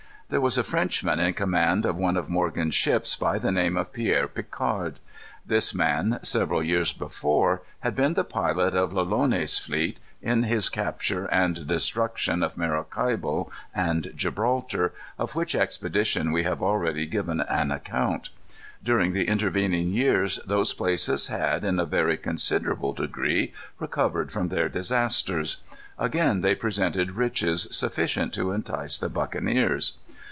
There was a Frenchman in command of one of Morgan's ships, by the name of Pierre Picard. This man, several years before, had been the pilot of Lolonois's fleet, in his capture and destruction of Maracaibo and Gibraltar, of which expedition we have already given an account. During the intervening years those places had, in a very considerable degree, recovered from their disasters. Again they presented riches sufficient to entice the buccaneers.